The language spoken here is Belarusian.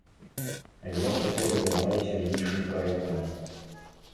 Я цяпер займаюся іншым праектам.